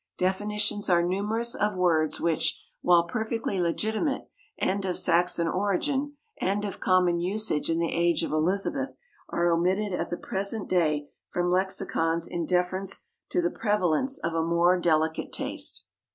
Definitions are numerous of words which, while perfectly legitimate and of Saxon origin and of common usage in the age of Elizabeth, are omitted at the present day from lexicons in deference to the prevalence of a more delicate taste.